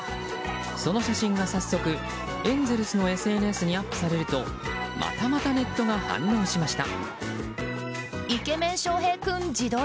その写真が、早速エンゼルスのＳＮＳにアップされるとまたまたネットが反応しました。